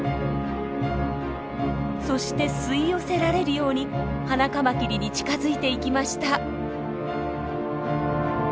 そして吸い寄せられるようにハナカマキリに近づいていきました。